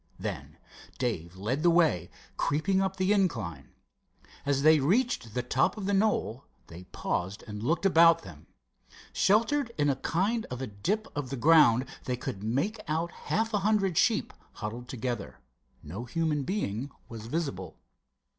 Then Dave led the way, creeping up the incline. As they reached the top of the knoll, they paused and looked about them. Sheltered in a kind of a dip of the ground, they could make out half a hundred sheep huddled together. No human being was visible.